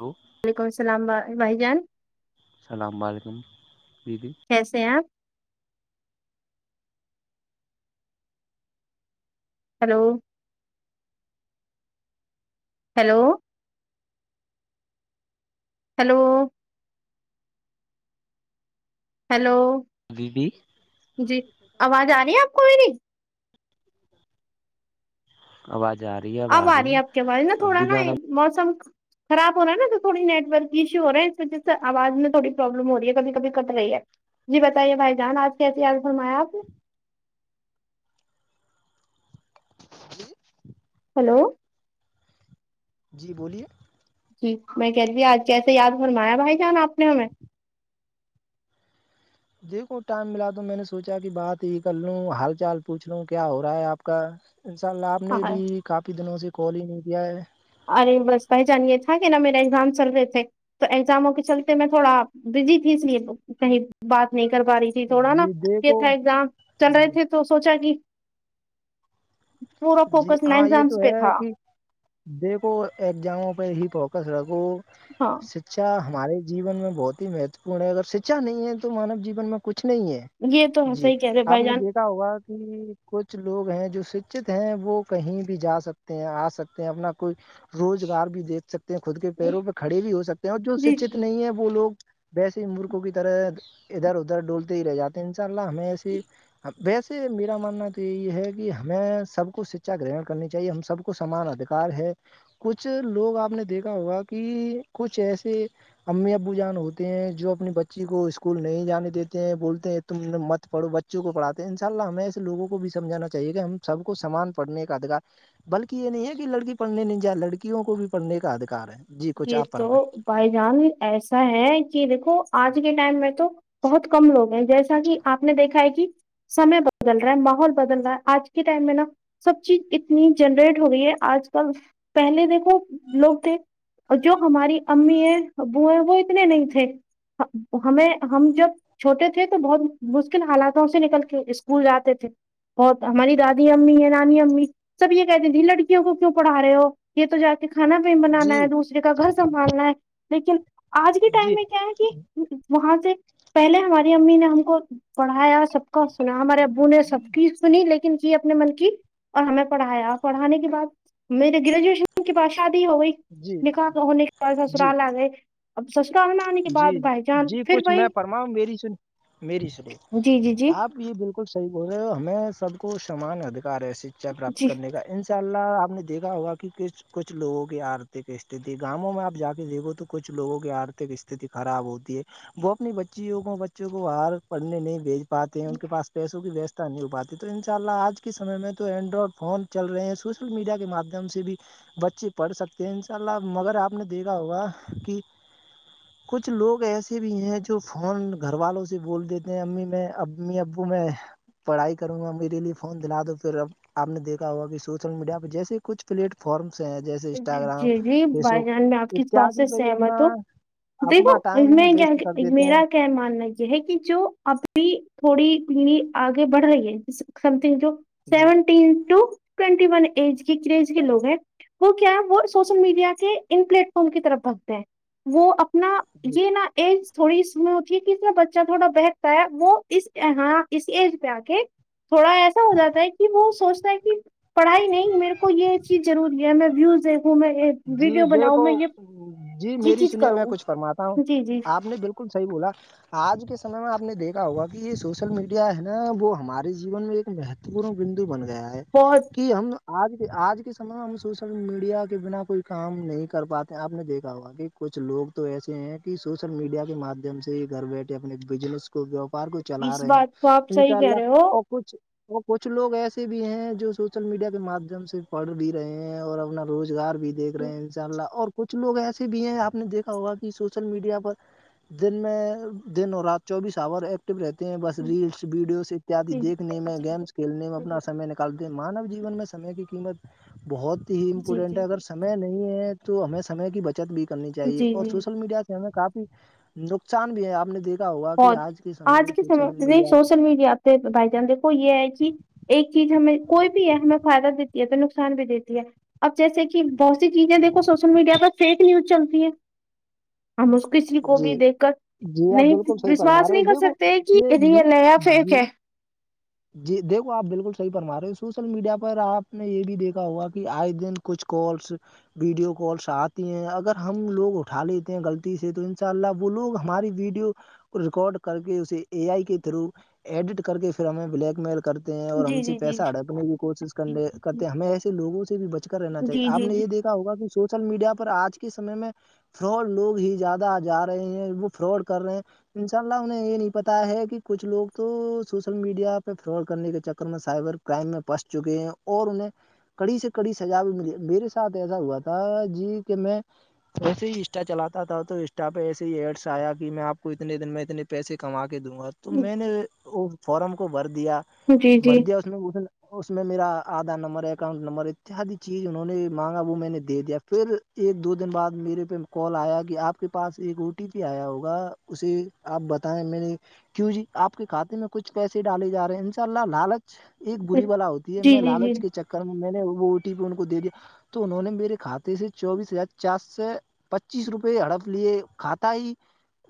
hello وعلیکم السلام بھائی جان السلام علیکم ویدی کیسے ہیں آپ ہیلو ہیلو ہیلو ہیلو بی بیی جی آواز آ رہی ہے آپ کوئی نہیں آواز آ رہی ہے اب آ رہی ہے آپ کے بارے نا تھوڑا ابو نا جانا موسم خراب ہو رہا ہے نا تو تھوڑیٹ ورک کی ایشو ہو رہا ہے اس وجہ سے آواز میں تھوڑی پروابلم ہو رہی ہے کبھی کبھی کٹ رہی ہے جی بتائیے بھائی جان آج کیا احتیاط فرمایا آپ نے جی ہیلو جی بولیے جی میں کہہتی ہ آج کیسے یاد فرمایا بھائی جان آپ نے ہمیں دیکھو ٹائم ملا تو میں نے سوچا کہ بات ہی کر لوں حال چال پوچھ لوں کیا ہو رہا ہے آپ کا ان شاء اللہ آپ نے ہاں بھی کافی دنوں سے کال ہی نہیں کیا ہے ارے بس پہچان یہ تھا کہ نا میرا ایگزام چل رہے تھے تو ایگزاموں کے چلتے میں تھوڑا بزی تھی اس لیے کہیں بات نہیں کر پا رہی تھی تھوڑا نا جی یہ دیکھو تھا ایگزام چل رہے تھے تو سوچا کی پورا جی فوکس ہاں یہ نزامس تو پہ ہے تھا کہ دیکھو ایگزاموں پہ ہی فوکس رگو ہاں شکچھا ہمارے جیون میں بہت ہی مہتوپورن ہے اگر شکچھا نہیں ہے تو مانو جین میں کچھ نہیں ہے یہ تو جی صحیح کہہ رہے آپ بھائی نے جان دیکھا ہوگا کہ کچھ لوگ ہیں جو شکچت وہ کہیں بھی جا سکتے ہیں آ سکتے ہیں اپنا کوئی روزگار بھی دیکھ سکتے ہیں خود کے پیروں پہ کھڑے بھی ہو سکتے ہیں اور جو جی شکچت نہیں ہے وہ لوگ ویسے ہی مورخوں کی طرح ادھر ادھر ڈولتے ہی رہ جاتے ہیں انشاء اللہ ہمیں ایسے ویسے میرا ماننا تو یہ ہے کہ ہمیں سب کو شکچھا گرہن کرنی چاہیے ہم سب کو سمان ادھار ہے کچھ لوگ آپ نے دیکھا ہوگا کہ کچھ ایسے امی ابو جان ہوتے ہیں جو اپنی بچی کو اسکول نہیں جانے دیتے ہیں بولتے ہیں تم مت پڑھو بچ بچوں کو پڑاتے ہیں ان شاءلہ ہمیں ایسےوگوں کو بھی سمجھانا چاہے کہ ہم سب کو سمان پڑھ کا ادھار بلکہ یہ نہیں ہے کہ لڑکی پڑھنے نہیں جائے لڑکیوں کو بھی پڑھنے کا ادھار ہے جی کچھ یہ آپ تو فرمائیں بھائی جان ایسا ہے کہ دیکھو آج کے ٹائم میں تو بہت کم لوگ ہیں جیسا کہ آپ نے دیکھا ہے کہ سمے بدل رہا ہے ماحول بدل رہا ہے آج کے ٹائم میں نا سب چیز اتنی جنریٹ ہو رہی ہے آج کل پہلے دیکھو لوگ تھے اور جو ہماری امی ہیں ابو ہیں وہ اتنے نہیں تھے ہمیں ہم جب چھوٹے تھے تو بہت مشکل حالاتوں سے نکل کے اسکول جاتے تھے بہت ہماری دادی امی ہے نانی امی سب یہ کہتے تے لڑکیوں کو کیوں پڑھا رہے ہو یہ تو جا کھانا پ جی بنانا ہے دوسرے کا گھر سنبھالنا ہے لیکن آج کے ٹائم جی میں کیا ہے کہ وہاں سے پہلے ہماری امی نے ہم کو پڑھایا سب کا سنا ہمارے ابو نے سب کی سنی لیکن کی اپنے من کی اور ہمیں پڑھایا پڑھانے کے بعد میرے گریجویشن کے بعد شادی ہو گئی جی نکا ہونے کے بعد جی سسرال آ گئے اب سستا آنا آنے کے بعد جی بھائی جان جی پھر کچھ بھائی میں فرماؤں میری سن میری شلیف جی جی جی آپ یہ بالکل صح بول رہے ہو ہمیں سب کو سمان ادھکار ہے شکچا پراپت جی کرنے کا ان سےب ان شاء اللہ آپ نے دیکھا ہوگ کہس کچھ لوگوں کی آرتھک است گاؤوں میں آپ جا کے دیکھو تو کچھ لوگوں کی آرتھک خراب ہوتی ہے وہ اپنی بچیوں کو بچوں کو باہر پڑھنے نہیں بھیج پاتے ہیں ان کے پس پیس کی ویستا نہیں ہو پاتی تو ان شاء اللہ آج کے سمے میں تو اینڈرائڈ فون چل رہے ہیں سوشل میڈیا کے مادھیم سے بھی بچے پڑھ سکتے ہیں ان شاء اللہ مگر آپ نے دیکھا ہوگا کہ کچھ لوگ ایسے بھی ہیں جو فون گھر والوں سے بول دیتے ہیں امی میں امی ابو میں پڑھائی کروں گا میرے لیے فون دلا دو پھر اب آپ نے دیکھا ہوا کہ سوشل میڈیا پہ جیسے کچھ پلیٹ فارمس ہیں جیسے انسٹاگرام جی جی فیس بھائی بک جان میں آپ کس بات سے اتیادی پہ یہ اپنا سہمت ہوں دیکھو اپنا ٹائم میں ویسٹ کر دیتے ہیں میرا کیا ماننا یہ ہے کہ جو ابھی تھوڑی یہ آگے بڑھ رہی ہے سم تھنگ جو جی seventeen to twenty one age کی کرج کے لوگ ہیں وہ کیا ہے وہ سوشل میڈیا کے ان پلیٹ فارم کی طرف بھگتے ہیں وہ اپنا جی یہ نہا ایج تھوڑی اس میں اتیھی کہ بچہ تھوڑا بہکتا ہے وہ اساں اس ایج پہ آ کے تھوڑا ایسا ہو جاتا ہے کہ وہ سوچتا ہے کہ پڑھائی نہیں میرے کو یہ چیز ضروری ہے میں ویوز دیکھوں میں جی ویڈیو بناؤں دیکھو میں یہ جی یہ میری چیز کروں جی جی صح بولا آج کے سمے میں آپ نے دیکھا ہوگا کہ یہ سوشل میڈیا ہے نا وہ ہمارے جیون میں ایک مہت بندو بن گیا ہے بہت کہ ہم آج کے آج کے سمے میں ہم سوچ ا میڈیا کے بنا کوئی کام نہیں کر پاتے آپ نے دیکھا ہوگا کہ کچھ لوگ تو ایسے ہیں سوشل میڈیا کے مادھیم سے ہی گھر بیٹھے اپنے بزنس ووپار کو چلا اس رہے ہیں بات کو آپ صحیح انشاء کہہ رہے ہو اللہ کچھ اور کچھ لوگ ایسے بھی ہیں جو سوشل میڈیا کے مادھیم سے پڑھ بھی رہے ہیں ہیں اور اپنا روزگار بھی دیکھ رہے ہیں ان شاء اللہ اور کچھ لوگ ایسے بھی ہیں آپ نے دیکھا ہوگا کہ سوشل میڈیا پر دن میں دن اور رات چوبیس آور ایک رہتے ہیں بس ریلس ویڈیوز اتدی جی دیکنے میں گیمس کھیلنے میں اپنا سمے تے مانو جین میں سمے کی قیمت بہت ہی جی امپورٹنٹ ہے جی اگر س سمے نہیں ہے تو ہمیں سمے کی بچت بھی کرنی چاہیے جی اور جی سوشل میڈیا ہمیں کافی نقصان بھی ہے آپ نے دیکھ بہت آج کے سم میں میڈیا سوشل میڈیا پہ بھائی جان دیکھو یہ ہے کہ ایک چیز ہمیں کوئی بھی ہے ہمیں فائدہ دیتی ہے تو نقصان بھی دیتی ہے اب جیسے کہ کہ بہت سی چیزیں دھو سوشل میڈیا پر فیک نیوز چلتی ہے ہم اس کسی کو بھی جی دیکھ کر جی آپ نہیں بالکل صحیح فرما وشواس رہے ہو نہیں کر دیکھو سکتے کہ یہ جی یہ نیا فیک جی ہے جی دیکھو آپ بالکل صحی فرما رہے سوشل میڈیا پر آپ نے یہ بھی دیکھا ہوا کہ آئے دن کچھ کالس ویڈیو کالس آتی ہیں اگر ہم لوگ اٹھا لیتے ہیں غلطی سے تو ان شاء اللہ وہ لوگ ہماری ویڈیو ریکارڈ کر کے اسے اے آئی کے تھرو ایڈٹ کر کے پھر ہمیں بلیک میل کر کرتے ہیں اور ہم جی سے جی جی پیسہ اڑکنے کی کوشش جی کرنے کرتے ہیں ہمیں ایسے لوگوں سے بھی بچ کر رہنا چاہیے جی آپ جی نے جی یہ دیکھا ہوگا کہ سوشل میڈیا پر آج کے سمے میں فراڈ لوگ ہی زیادہ جا رہے ہیں وہ فراڈ کر رہے ہیں انشاء اللہ انہیں یہ نہیں پتا ہے کہ کچھ لوگ تو سوشل میڈیا پہ فراڈ کرنے کے چکر میں سائبر کرائم میں پنس چکے ہیں اور انہیں کڑی سے کڑی سجا بھی ملی میرے ساتھ ایسا ہوا تھا جی کہ میں توسے ہی اسٹا چلاتا تھا تو پہ ایسے ہی ایڈس آیا کہ میں آپ کو اتنے دن میں اتنے پیسے کما کے دوں گا تو میں نے اس فارم کو بھر دیا جی جی جی بھر دیا اس میں اس میں میرا آدھار نمبر اکاؤنٹ نمبر اتحادی چیز انہوں نے مانگا وہ میں نے دے دیا پھر ایک دو دن بعد میرے پہ کال آیا کہ آپ کے پاس ایک او ٹی پی آیا ہوگا اسے آپ بتائیں میرے کیوں جی آپ کے کھاتے میں کچھ پیسے ڈالے جا رہے ہیں ان شاء اللہ لالچ ایک بری بلا ہوتی یہ میں جی جی لالچ کے چکر میں نے وہ او ٹی پی ان کو دے دیا تو انہوں نے میرے کھاتے سے چوبیس ہزار چار سو پچیس روپئے ہڑپ لیے کاتا ہی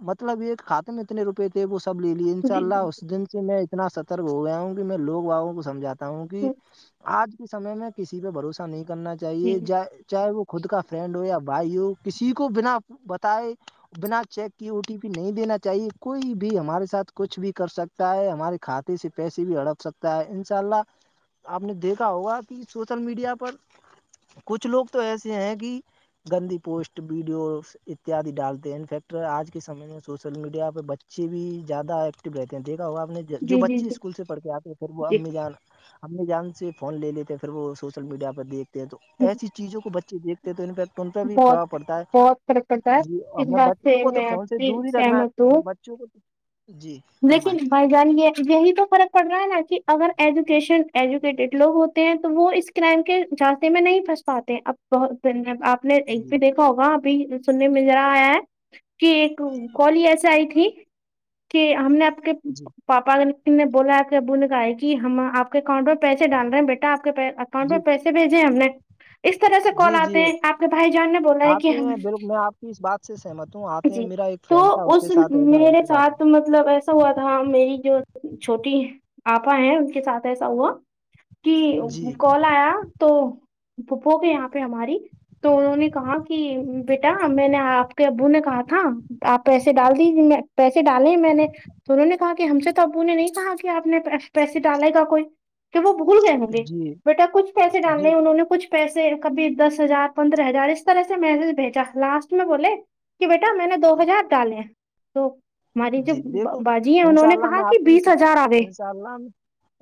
مطلب یہ کاتے میں اتنے روپئے تھے وہ سب لے لیے ان شاء جی جی اللہ اس دن سے میں اتنا سترک ہو گیا ہوں کہ میں لوگ بابوں کو سمجاتا ہوں کہ جی آج سمے میں کسی پہ بھروسہ نہیں کرنا چاہیے چاہے وہ خود کا فرینڈ ہو یا بھائی ہو کسی کو بنا بتائے بنا چیک کی او ٹی پی نہیں دینا چاہیے کوئی بھی ہمارے ساتھ کچھ بھی کر سک ستا ہے ہمارے کھاتے سے پیسے بھی اڑپ سکتا ہے انشاء اللہ آپ نے دیکھا ہوگا کہ سوشل میڈیا پر کچھ لوگ تو ایسے ہیں کہ گندی پوسٹ ویڈیو اتد ڈالتے ہیں انفیکٹ آج کے سمے میں سوشل میڈیا پہ بچے بھی زیادہ ایکٹو رہتے ہیں دیکھا ہوا آپ نے جو جی جی بچے جی اسکول سے پڑھتے آتے پھر وہ جی امی جان امی جان سے فون لے لیتے پھر وہ سوشل میڈیا پہ دیکھ تو ایسی چیزوں کو بچے دیکھتے ہیں تو انفیکٹ ان بھی بہت پرباؤ پڑتا ہے بہت کر جی ہمیں بچوں کو تو فون سے دور ہی رکھنا ہے ہم بچوں کو تو جی فرمائیں دیک بائی جانے یہی تو فرق پڑ رہا ہے نا کہ اگر ایجوکیشن ایجوکیٹڈ لوگ ہوتے ہیں تو وہ اس کرائم کے جانسے میں نہیں پنس پاتے اب بہت د آپ نے ایک جی بھی دیکھ ہوگا ابھی سننے میں جرا آیا ہے کہ ایک کال ایسے آئی تھی کہ ہم نے آپ کے جی پاپا نے بولا آ کے بول کہا ہے کہ ہم آپ کے اکانٹ میں پیسے ڈال رہے ہیں بیٹا آ کے پ اکاؤنٹ میں جی پیسے بھیجے ہم نے اس طرح سے کال جی جی آتے ہیں آپ کے بھائی جان نے بولا ہے کہ آتے ہم ہیں بالکل میں آپ کی اس بات سے سہمت ہوں آتے ہیں جی میرا ایک تو فرینڈ تھا اس کے سھ ایسا میرے چکا تھا ساتھ مطلب ایسا ہوا تھا میری جو چھوٹی آپا ہیں ان کے ساتھ ایسا ہوا کہ جی کال آیا تو بپھوگ یہاں پہ ہماری تو انہوں نے کہا کہ بیٹا میں نے آپ کے ابو نے کہا تھا آپ پیسے ڈال دیجیے میں پیسے پیے ڈالے میں نے تو انہوں نے کہا کہ ہم سے تو ابو نے نہیں کہا کہ آپ نے پیسے ڈالے گا کوئی کہ وہ بھول گئے ہوں گے جی بیٹا کچھ پیسے جی ڈالنے انہوں نے کچھ پیسے کبھی دس ہزار پندرہ ہزار اس طرح سے میس بھیجا لاسٹ میں بولے کہ بیٹا میں نے دو ہزار ڈالے تو ہماری جو جی دیکھو باجی ہے انہوں نے کہا کہ بیس ہزار آ گئے ان شاء اللہ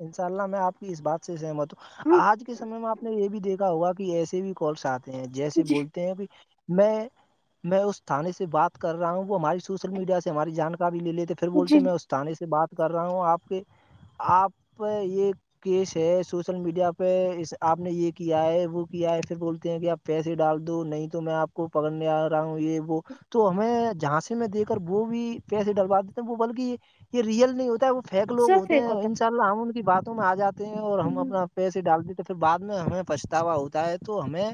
ان شاء اللہ میں آپ کی اس بات سے سہمت ہوں ہاں آج کے سمے میں آپ نے یہ بھی دیکھ ہوا کہ ایسے بھی کالس آتے ہیں جیسے جی بولتے ہیں کہ میں میں اس تھاانے سے بات کر رہا ہوں وہ ہماری سوشل میڈیا سے ہماری جانکاری لے لیتے پھر جی بولتے میں استاانیے سے بات کر رہا ہوں آپ کے آپ یہ کیس ہے سوشل میڈیا پہ آپ نے یہ کیا ہے وہ کیا ہے پھر بولتے ہیں کہ آپ پیسے ڈال دو نہیں تو میں آپ کو پکڑنے آ رہا ہوں یہ وہ تو ہمیں جہاں سے میں دیک کر وہ بھی پیسے ڈلوا دیتے ہیں وہ بلکہ یہ ریئل نہیں ہوتا ہے وہ فیک لوگ سب ہوتے فیک ہیں ہوتا انسان ہم ان کی باتوں میں آ جاتے ہیں اور ہے ہم اپنا ہوں پیسے ڈال دیتے ہیں پھر بع میں ہمیں پچھتاوا ہوتا ہے تو ہمیں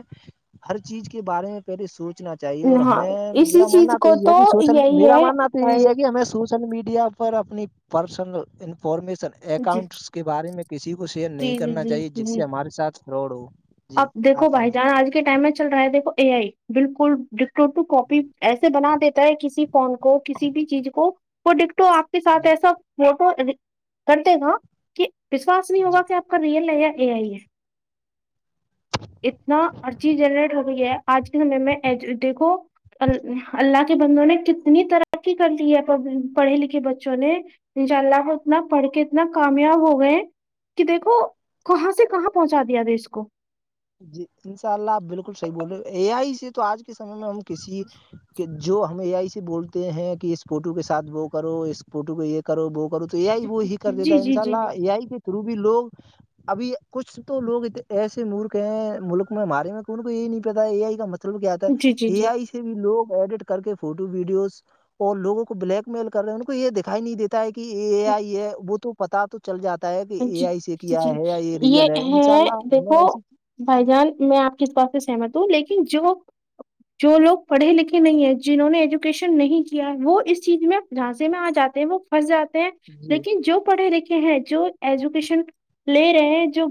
ہر چیز کے بارے میں پہلے سوچنا چاہیے اور ہاں ہمیں اسی میرا چیز ماننا تو کو یہ ہے کہ سوشل یہی میرا ہے ماننا یہ بھائی یہ کہ ہمیں سوشل میڈیا پر اپنی پرسنل انفارمیشن جی اکاؤنٹس کو کے بارے میں کسی کو شیئر نہیں جی جی کرنا جی چاہیے جس جی سے ہمارے ساتھ فراڈ ہو جی اب دیکھو آپ بھائی فرما جان آج کے ٹائم میں چل رہا ہے دیکھو اے آئی بالکل فوٹو کاپی جی ایسے بنا دیتا ہے کسی فون کو کسی بھی چیز کو وہ ڈکٹو آپ ساتھ جی ایسا فوٹو کرتے گا کہ وشواس نہیں جی ہوگا کہ آپ ریئل ہے یا ا آئی ہے اتنا ار چیز جنریٹ ہو گئی ہے آج کے سمے میں دیکھو ال اللہ کے بندوں نے کتنی ترقی کر لی ہے پڑھے لکھے بچوں نے انشاء اللہ وہ اتنا پڑھ کے اتنا کامیاب ہو گئے کہ دیکھو کہاں سے کہاں پہنچا دیا دش کو جی انشاء اللہ آپ بالکل صحیح بول رہے اے آئی سے تو آج کے سمے میں ہم کسی جو ہمیں یہی سے بولتے ہیں کہ اس فوٹو کے ساتھ وہ کرو اس فوٹو کو یہ کرو وہ کرو تو یہ ہی وہ ہی کر دیتا جی ہے جی انشاء جی جی اللہ یہ ہی وبی لوگ ابھی کچھ تو لوگ ایسے مور ملک میں ہمارے میں کون کو یہ نہیں پتا اے آئی کا مطلب کیا تھا جی جی اے جی آئی بھی لو ایڈٹ کر کے فوٹو ویڈیوز اور لوگوں کو بلیک میل کر رہے ہیں ان کو یہ دکھائی نہیں دیتے کہ یہ آئی یہ بت پتا تو چل جاتا ہے کہ یہ آے جی کیا جی ہے یا یہ ریئل ہے ان شاء اللہ ہمیں ایسی بھائی جان میں آپ کی اس بات سے سہمت ہوں لیکن جو جو لوگ پڑھے لکھے نہیں ہیں جنہوں نے ایجوکیشن نہیں کیا ہے وہ اس چیز میں جھانسیے میں آ جاتے ہیں وہ پھنس جاتے ہیں جی لیکن جو پڑھے لکھے ہیں جو ایجوکیشن لے رہے ہیں جو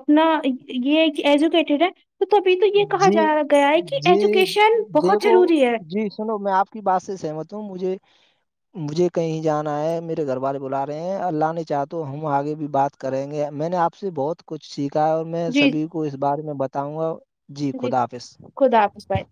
اپنا یہ ہے کہ ایجوکیٹیڈ ہے تو تو ابھی تو یہ کہا جی جا گیا ہے کہ جی ایجوکیشن بہت دیکھو ضروری ہے جی سنو میں آپ کی بس سہمت مجھے مجھے کہیں جانا ہے میرے گھر والے بلا رہے ہیں اللہ نے چاہ تو ہم آگے بھی بات کریں گے میں نے آپ سے بہت کچھ سیکھا ہے اور میں جی سبھی کو اس بارے میں بتاؤں گا جی خدا حافظ خدا حافظ بھائی